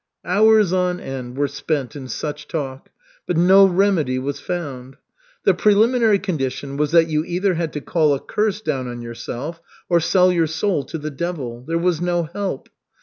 Hours on end were spent in such talk, but no remedy was found. The preliminary condition was that you either had to call a curse down on yourself, or sell your soul to the devil. There was no help.